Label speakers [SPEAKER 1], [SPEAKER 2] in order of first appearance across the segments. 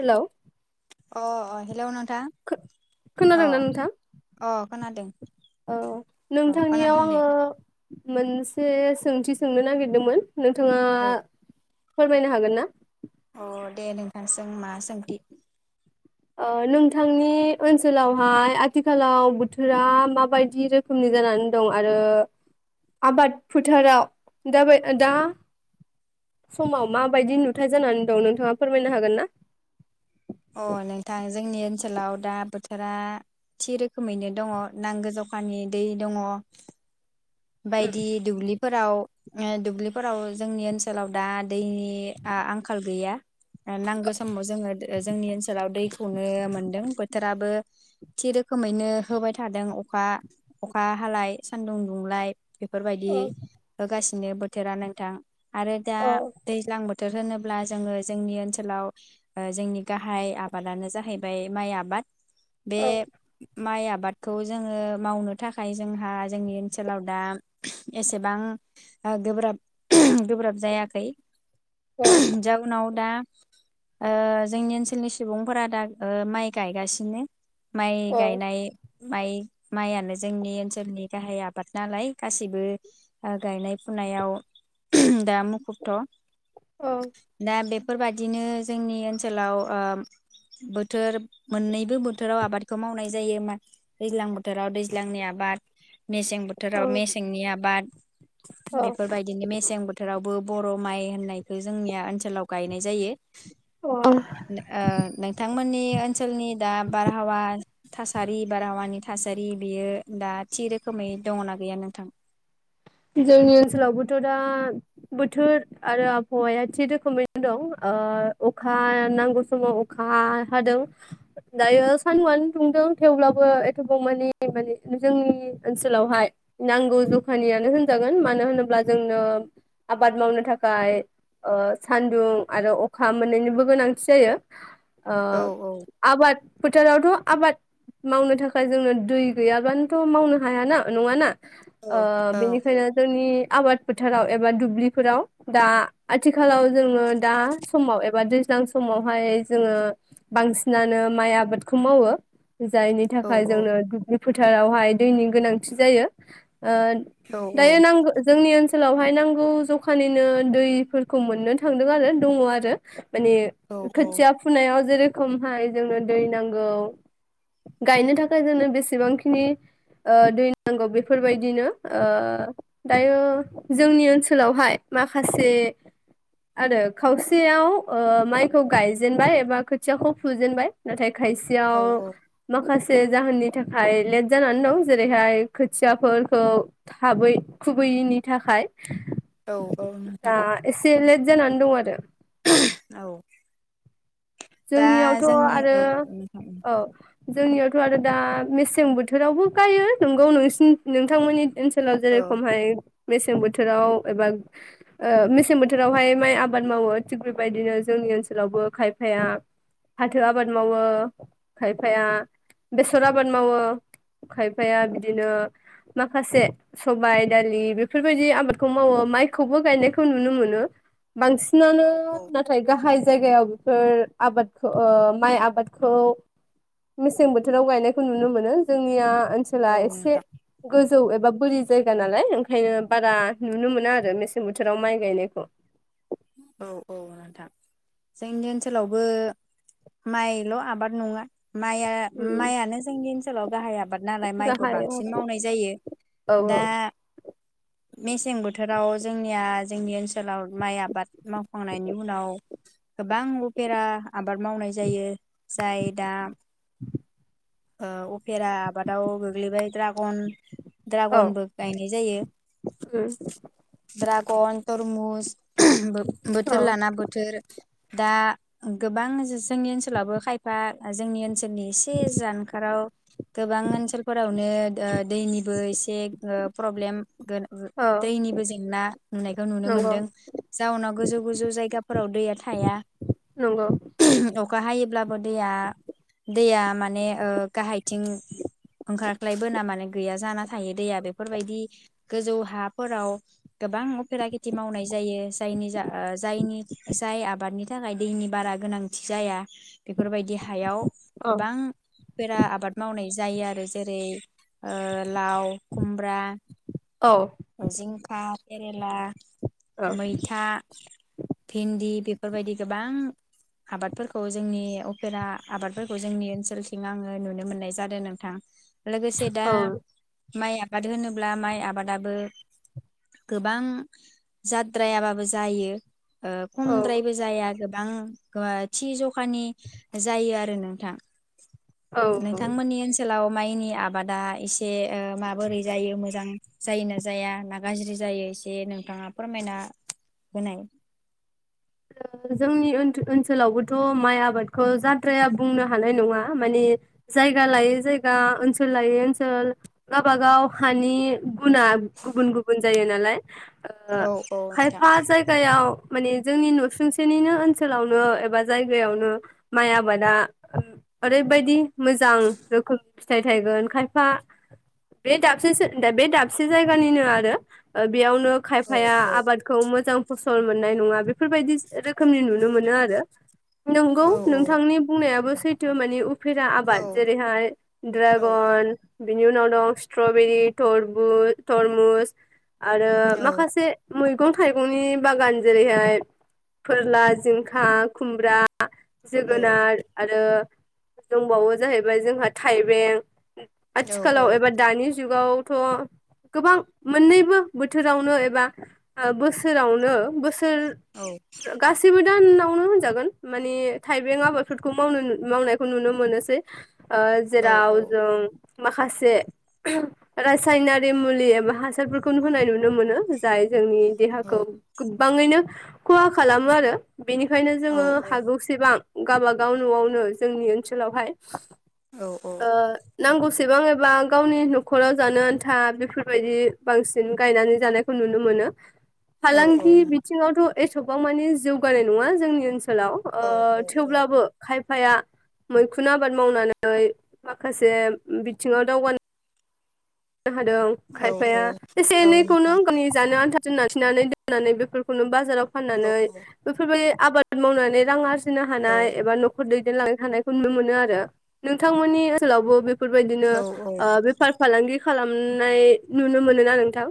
[SPEAKER 1] Hello
[SPEAKER 2] अ अ hello नों
[SPEAKER 1] खो-खोनादोंना नोंथां
[SPEAKER 2] अ खोनादों
[SPEAKER 1] औ
[SPEAKER 2] अ
[SPEAKER 1] नोंथांनियाव
[SPEAKER 2] खोनादों दे
[SPEAKER 1] आङो मोनसे सोंथि सोंनो नागिरदोंमोन नोंथाङा
[SPEAKER 2] औ
[SPEAKER 1] फोरमायनो हागोन ना
[SPEAKER 2] अ दे नोंथां सों मा सोंथि
[SPEAKER 1] ओ नोंथांनि ओनसोलावहाय आथिखालाव बोथोरा माबायदि रोखोमनि जानानै दं आरो आबाद फोथाराव दाबा दा समाव माबायदि नुथाय जानानै दं नोंथाङा फोरमायनो हागोन ना
[SPEAKER 2] अ नोंथां जोंनि ओनसोलाव दा बोथोरा थि रोखोमैनो दङ नांगो जखानि दै दङ बायदि दुब्लि फोराव दुब्लिफोराव जोंनि ओनसोलाव दा दैनि आंखाल गैया नांगौ समाव जोङो जोंनि ओनसोलाव दैखौनो मोनदों बोथोराबो थि रोखोमैनो होबाय थादों अखा अखा हालाय सानदुं दुंलाय बेफोरबायदि
[SPEAKER 1] औ
[SPEAKER 2] गासिबो बिदिनो बोथोरा नोंथां आरो दा
[SPEAKER 1] औ
[SPEAKER 2] दैज्लां बोथोर बोथोर होनोब्ला जोङो जोंनि ओनसोलाव जोंनि गाहाय आबादानो जाहैबाय माइ आबाद बे
[SPEAKER 1] औ
[SPEAKER 2] माइ आबादखौ जोङो मावनो थाखाय जोंहा जोंनि ओनसोलाव दा एसेबां गोब्राब गोब्राब जायाखै
[SPEAKER 1] औ
[SPEAKER 2] जाउनाव दा जोंनि ओनसोलनि सुबुंफोरा दा माइ गायगासिनो माइ
[SPEAKER 1] औ
[SPEAKER 2] गायनाय माइ माइआानो जोंनि ओनसोलनि गाहाय आबाद नालाय गासैबो गायनाय फुनायाव दा मुखुबथ'
[SPEAKER 1] औ
[SPEAKER 2] दा बेफोर बेफोरबायाददिनो जोंनि ओनसोलाव बोथोर मोननैबो बोथोराव आबादखौ मावनाय जायो दैज्लां बोथोराव दैज्लांनि आबाद मेसें बोथोराव मेसेंनि आबाद बेफोरबायदिनो मेसें बोथोराव बर' माइ होननायखौ जोंनिया ओनसोल गायनाय जायो
[SPEAKER 1] औ औ
[SPEAKER 2] बिथांमोननि ओनसोलनि दा बारहावा थासारि बारहावानि थासारि बेयो दा थि रोखोमै दङना गैया नोंथां
[SPEAKER 1] जोंनि ओनसोलावबोथ' दा बोथोर आरो आबहावाया थि रोखोमैनो दं अखा नांगौ समाव अखा हादों दायो सानदुआनो दुंदों थेवब्लाबो एथबावमानि माने जोंनि ओनसोलावहाय नांगौ जखानियानो होन जागोन मानो होनोब्ला जोंनो आबाद मावनो थाखाय सान्दुं आरो अखा मोनैनिबो गोनांथि जायो
[SPEAKER 2] औ
[SPEAKER 1] आ आबाद फोथारावथ' आबाद मावनो थाखाय जोंनो दै गैयाबानोथ' मावनो हायाना नङाना
[SPEAKER 2] औ
[SPEAKER 1] ओ
[SPEAKER 2] औ
[SPEAKER 1] बेनिखायनो जोंनि आबाद फोथाराव एबा दुब्लिफोराव दा आथिखाल आथिखालाव जोङो दा समाव एबा सिगां समावहाय जोङो बांसिनानो माइ आबादखौ मावो जायनि
[SPEAKER 2] औ
[SPEAKER 1] थाखाय
[SPEAKER 2] औ
[SPEAKER 1] जोंनो फोथारावहाय दैनि गोनांथि जायो ओ दायो नांगौ जोंनि ओनसोल ओनसोलावहाय नांगौ जखानिनो दैफोरखौ मोननो थांदों आरो दङ आरो माने
[SPEAKER 2] औ
[SPEAKER 1] खोथिया फुनायाव जेरै खमहाय जोंनो दै नांगौ गायनो थाखाय जोंनो बेसेबांखिनि ओ दै नांगौ बेफोरबायदिनो दायो जोंनि ओनसोलावहाय माखासे आरो खावसेयाव ओ माइखौ गायजेनबाय एबा खोथियाखौ फुजेनबाय नाथाय खायसे आव
[SPEAKER 2] औ
[SPEAKER 1] माखा जसे जाहोननि थाखाय लेट जानानै दं जेरैहाय खोथियाफोरखौ थाबै खुबैयैनि थाखाय
[SPEAKER 2] औ औ नोंथां
[SPEAKER 1] दा एसे लेट जानानै दं आरो
[SPEAKER 2] द [unintelligible]
[SPEAKER 1] जोंनियावथ' आरो
[SPEAKER 2] नोंथां
[SPEAKER 1] औ जोंनियावथ' आरो दा मेसें बोथोरावबो गायो नंगौ नोंसि नोंथांमोननि ओ राव
[SPEAKER 2] औ
[SPEAKER 1] जेरै खमहाय मेसें बोथोराव एबा ओ मेसें बोथोरावहाय माइ आबाद मावो थिग बेबायदिनो जोंनि ओनसोलावबो खाय खायफाया फाथो आबाद मावो खायफाया बेसर आबाद मावो खायफाया बिदिनो माखासे सबाय दालि बेफोरबायदि आबादखौ मावो माइखौबो गायनायखौ नुनो मोनो बांसिनानो
[SPEAKER 2] औ औ
[SPEAKER 1] नाथाय गाहाय जागायाव फोर आबादखौ ओ माइ आबादखौ मेसें बोथोराव गायनायखौ नुनो मोनो जोंनिया
[SPEAKER 2] औ
[SPEAKER 1] ओनसोला एसे
[SPEAKER 2] नोंथां
[SPEAKER 1] गोजौ एबा बोरि जायगा नालाय ओंखायनो बारा नुनो मोना आरो मेसें बोथोराव माइ गायनायखौ
[SPEAKER 2] औ औ नोंथां जोंनि ओनसोलावबो माइल' आबाद नङा माइआ
[SPEAKER 1] उम
[SPEAKER 2] माइयानो जोंनि ओनसोलाव गाहाय आबाद नालाय माइखौ
[SPEAKER 1] गाहाय औ
[SPEAKER 2] बांसिन मावनाय जायो
[SPEAKER 1] औ
[SPEAKER 2] दा मेसें बोथोराव जोंनिया जोंनि ओनसोलाव माइ आबाद मावखांनायनि उनाव गोबां उफेरा आबाद मावनाय जायो जाय दा ओ उफेरा आबादाव गोग्लैबाय ड्रागन
[SPEAKER 1] औ
[SPEAKER 2] ड्रागनबो गायनाय जायो
[SPEAKER 1] उम
[SPEAKER 2] कनथर मुज बोथोर
[SPEAKER 1] औ
[SPEAKER 2] लाना बोथोर दा गोबां जोंनि ओनसोलावबो खायफा जोंनि बिसोरनि एसे जान गोबां ओनसोलफोरावनो ओ दैनिबो एसे गोाब प्रब्लेम गोन उम
[SPEAKER 1] औ
[SPEAKER 2] दैनिबो जेंना नुनायखौ नुनो
[SPEAKER 1] नंगौ
[SPEAKER 2] मोनदों जाउनाव गोजौ गोजौ जायगाफोराव दैया थाया
[SPEAKER 1] नंगौ
[SPEAKER 2] अखा हायोब्लाबो दैया दैया माने ओ गाहायथिं ओंखाराख्लायबोना मानो गैया जाना थायो दैया बेफोरबायदि गोजौ हाफोराव गोबां अफेरा खेथि मावनाय जायो जायनि जा जायनि जाय आबादनि थाखाय दैनि बारा गोनांथि जाया बेफोरबायदि हायाव
[SPEAKER 1] औ
[SPEAKER 2] गोबां दा आबाद मावनाय जायो आरो जेरै ओ लाव खुमब्रा
[SPEAKER 1] औ
[SPEAKER 2] जिंखा केरेला
[SPEAKER 1] औ
[SPEAKER 2] मैथा भिन्दि बे बेफोरबायदि गोबां आबादफोरखौ जोंनि अफेरा आबादफोरखौ जोंनि ओनसोल थिं आङो नुनो मोननाय जादों नोंथां लोगोसे दा
[SPEAKER 1] औ
[SPEAKER 2] माइ आबाद होनोब्ला माइ आबादाबो गोबां जाद्रायाबाबो जायो ओ
[SPEAKER 1] औ
[SPEAKER 2] खमद्रायबो जाया गो गोबां थि जखानि जायो आरो नोंथां
[SPEAKER 1] औ
[SPEAKER 2] नोंथांमोननि ओनसोलाव माइनि आबादा एसे ओ माबोरै जायो मोजां जायो ना जाया ना गाज्रि जायो एसे नोंथाङा फोरमायना होनाय
[SPEAKER 1] जोंनि ओनसोलावबोथ' माइ आबादखौ जाद्राया बुंनो हानाय नङा मानिे जायगा लायै जायगा ओनसोल लायै ओनसोल गावबा गाव हानि गुना गुबुन गुबुन जायो नालाय ओ
[SPEAKER 2] औ औ नोंथां
[SPEAKER 1] खायफा जायगायाव माने जोंनि नसुंसेनिनो ओनसोलावनो एबा जायगायावनो माइ आबादा ओरैबायदि मोजां रोखोम फिथाइ थायगोन खायफा बे दाबसे बे दाबसे जायगानिनो आरो ओ बेयावनो
[SPEAKER 2] औ
[SPEAKER 1] खायफाया
[SPEAKER 2] औ
[SPEAKER 1] आबादखौ मोजां फसल मोननाय नङा बे बेफोरबायदि रोखोमनि नुनो मोनो आरो नंगौ
[SPEAKER 2] औ
[SPEAKER 1] नोंथांनि बुंनायाबो सै जों माने फैग्रा
[SPEAKER 2] औ
[SPEAKER 1] आबाद जेरैहाय
[SPEAKER 2] औ
[SPEAKER 1] ड्रागन बिनि उनाव दं स्ट्रबेरिरबु तरमुस आरो
[SPEAKER 2] औ
[SPEAKER 1] माखासे मैगं थाइगंनि बागान जेरैहाय फोरला जिंखा खुमब्रा जोगोनार आरो दंबावो जाहैबाय जोंहा थाइबें
[SPEAKER 2] औ
[SPEAKER 1] आथिखालाव एबा दानिस जुगावथ' गोबां मोननैबो बोथोरावनो एबा बोसोरावनो बोसोर थोर गासैबो दानावनो होनजागोन मानि थाइबें आबादफोरखौ मावनो मावनायखौ नुनो मोनोसै ओ
[SPEAKER 2] औ
[SPEAKER 1] जेराव जों माखासे रासायनारि मुलि एबा हासारफोरखौ होनाय नुनो मोनो जाय जोंनि देहाखौ गो बाङैनो खहा खालामो आरो बेनिखायनो जोङो हागौसेबां गावबागाव न'आवनो जोंनि ओनसोलावहाय ओ नांगौसेबां एबा गावनि न'खराव जानो आन्था बेफोरबायदि बांसिन गायनानै जानायखौ नुनो मोनो
[SPEAKER 2] औ
[SPEAKER 1] फालांगि बिथिङावथ' एथ'बां माने जौगानाय नङा जोंनि ओनसोल लाव ओ
[SPEAKER 2] औ औ औ
[SPEAKER 1] थेवब्लाबो खाय फाया मैखुन आबाद मावनानै माखासे बिथिङाव दावगानो हादों
[SPEAKER 2] औ
[SPEAKER 1] खायफाया एसे
[SPEAKER 2] औ
[SPEAKER 1] एनैखौनो
[SPEAKER 2] नोंथां
[SPEAKER 1] गावनि जानो आनथा [unintelligible] लाखिनानै दोननानै बेफोरखौनो बाजार जाराव
[SPEAKER 2] औ
[SPEAKER 1] फाननानै बेफोरबायदि आबाद मावनानै रां आ रजिनो
[SPEAKER 2] औ
[SPEAKER 1] हानाय एबा नखर दैदेनलांनो हानायखौ नुनो मोनो आरो नोंथांमोननि ओनसोलावबो बे फोरबायदिनो
[SPEAKER 2] औ
[SPEAKER 1] ओ बेफार फालांगि खामनाय नुनो मोनोना नोंथां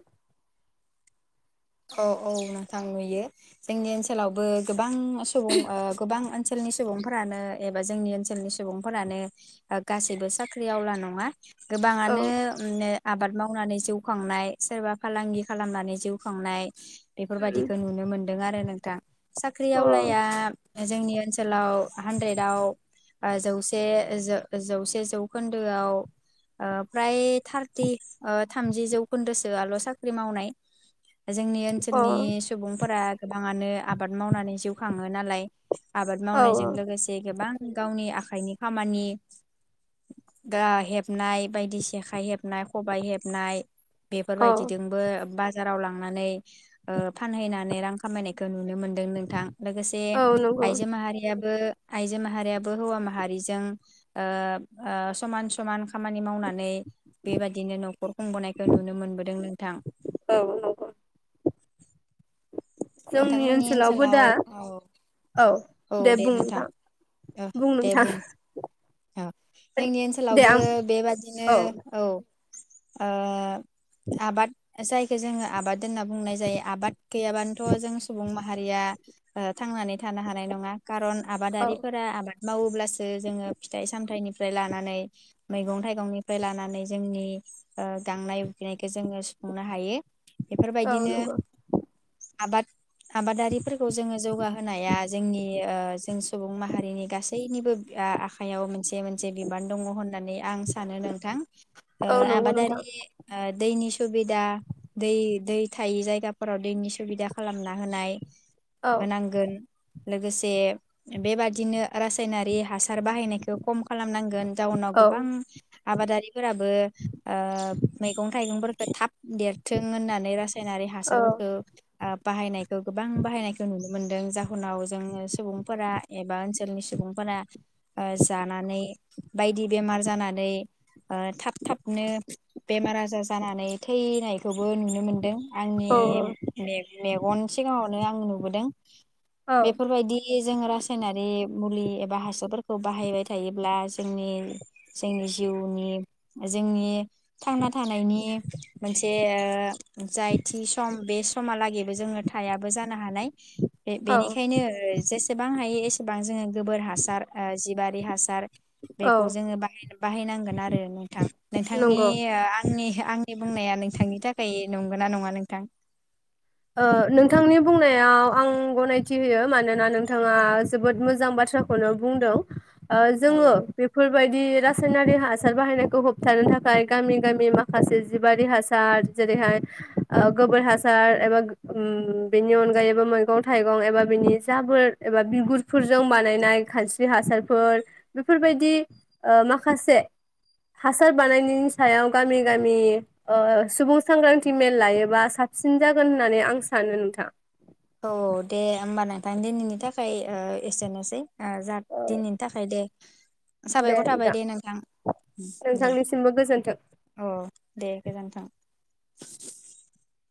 [SPEAKER 2] औ औ औ नोंथां नुयो जोंनि ओनसोलावबो गोबां सुबुं ओ गोबां ओनसोलनि सुबुंफोरानो एबा जोंनि ओनसोलनि सुबुंफोरानो गासैबो साख्रि आवला नङा
[SPEAKER 1] औ
[SPEAKER 2] गोबाङानो आबाद मावनानै जिउ खांनाय सोरबा फालांगि खालामनानै जिउ खांनाय
[SPEAKER 1] उम
[SPEAKER 2] बेफोरबादिखौ नुनो मोनदों आरो नों थां साख्रि
[SPEAKER 1] अ
[SPEAKER 2] आवलाया जोंनि ओनसोलाव हानद्रेदाव जौसे जौसे जौखोन्दोआव फ्राय थारटि थामजि जौखोन्दोसोआल' साख्रि मावनाय जोंनि
[SPEAKER 1] अ
[SPEAKER 2] ओनसोलनि सुबुंफोरा गोबाङानो आबाद मावनानै जिउ खाङो नालाय आबाद
[SPEAKER 1] औ
[SPEAKER 2] मावनायजों
[SPEAKER 1] औ
[SPEAKER 2] लोगोसे गोबां गावनि आखाइनि खामानि दा हेबनाय बायदि सेखाइ हेबनाय खबाइ हेबनाय
[SPEAKER 1] औ
[SPEAKER 2] बेफोरबायदिजोंबो बास जाराव लां नानै ओ फानहैनानै रां खामायनायखौ नुनो मोन दों नोंथां लोगोसे
[SPEAKER 1] औ नंगौ
[SPEAKER 2] आइजो माहारियाबो आइजो माहारियाबो हौवा माहारिजों ओ ओ समान समान खामानि मावनानै बेबादिनो न'खर खुंबोननायखौ नुनो मोनबोदों नोंथां।
[SPEAKER 1] औ नंगौ जोंनि
[SPEAKER 2] नोंथांमोननि
[SPEAKER 1] ओनसोलावबो
[SPEAKER 2] ओनसोलाव
[SPEAKER 1] दा
[SPEAKER 2] औ
[SPEAKER 1] औ
[SPEAKER 2] औ दे नोंथां दे बुं औ जोंनि
[SPEAKER 1] दे
[SPEAKER 2] ओनसोलावबो
[SPEAKER 1] आं
[SPEAKER 2] बेबादिनो औ। आ आबाद जायखौ जोङो आबाद होनना बुंनाय जायो आबाद गैयाबानो थ' जों सुबुं माहारिया ओ थांनानै थानो हानाय नङा। खारन
[SPEAKER 1] औ
[SPEAKER 2] आबादारिफोरा आबाद मावोब्लासो जोङो फिथाइ सामथाइनि लानानै मैगं थाइगंनिफ्राय लानानै जोंनि ओ गांनाय उखैनायखौ जोङो सुफुंनो हायो।
[SPEAKER 1] औ
[SPEAKER 2] बेफोरबायदिनो
[SPEAKER 1] नंगौ
[SPEAKER 2] आबाद आबादारिफोरखौ जोङो जौगाहोनाया जोंनि ओ जों सुबुं माहारिनि गासैनिबो आखाइायाव मोनसे मोनसे बिबान दङ होन होननानै आं सानो नोंथां ओ
[SPEAKER 1] औ नंगौ नोंथां
[SPEAKER 2] आबादारि दैनि सुबिदा दै दै थायि जायगाफोराव दैनि सुबिदा खालामना होनाय।
[SPEAKER 1] औ
[SPEAKER 2] होनांगोन। लोगोसे बेबादिनो रासायनारि हासार बाहायनायखौ खम खालामनांगौ। [unintelligible] जाउनाव
[SPEAKER 1] औ
[SPEAKER 2] गोबां आबादारिफोराबो ओ मैगं थाइगंफोरखौ थाब देरथों होननानै रासा साइनारि
[SPEAKER 1] औ
[SPEAKER 2] हासारफोरखौ बाहायनायखौ गोबां बाहायनायखौ नुनो मोनदों जाहोनाव जोङो सुबुंफोरा एबा ओनसोलनि सुबुंफोरा ओ जानानै बायदि बेमार जानानै ओ थाब थाबनो बेमार आजार जानानै थैनायखौ नुनो मोनदों आंनि
[SPEAKER 1] औ
[SPEAKER 2] मेग मेगन सिगाङावनो आं नुबोदों।
[SPEAKER 1] औ
[SPEAKER 2] बेफोरबायदि जों रासायनारि मुलि एबा हासारफोरखौ बाहायबाय थायोब्ला जोंनि जिउनि जोंनि थांना थानायनि मोनसे ओ जाय थि सम बे समालागि जोङो थायाबो जानो हानाय। बे
[SPEAKER 1] औ
[SPEAKER 2] बेनिखायनो ज एसेबां हायो एसेबां जोङो। गोबोर हासार जि बारि हासार
[SPEAKER 1] औ
[SPEAKER 2] बेखौ जोङो बाहाय बाहायनांगोन आरो नोंथां नोंथांनि
[SPEAKER 1] नंगौ
[SPEAKER 2] आंनि आंनि बुंनाया नोंथांनि थाखाय नंगौना नङा नोंथां
[SPEAKER 1] ओ नोंथांनि बुंनायाव आं गनायथि होयो मानोना नोंथाङा जोबोद मोजां बाथ्राखौनो बुंदों ओ जोङो
[SPEAKER 2] औ
[SPEAKER 1] बेफोर बेबायदि रायनारि हासार बाहायनायखौ होबथानो थाखाय गामि गामि माखासे जिबारि हासार जेरैहाय ओ गोबोर हासार एबा बेनि अनगायैबो मैगं थाइगं एबा बिनि जाबोर एबा बिगुरफोरजों बानायनाय खानस्रि हासारफोर बेफोरबायदि ओ माखासे हासार बानायनायनि सायाव गामि गामि सुबुं सांग्रांथि मेल लायोबा साबसिन जागोन होननानै आं सानो नोंथां
[SPEAKER 2] औ दे होमबा नोंथां दिनैनि थाखाय ओ एसेनोसै जा दिनैनि थाखाय दे साबायखर थाबाय दे नोंथां दे
[SPEAKER 1] नोंथांनिसिमबो गोजोन्थों।
[SPEAKER 2] अ दे गोजोनथों [inaudible]